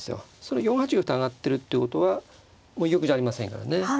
４八玉と上がってるってことは居玉じゃありませんからね。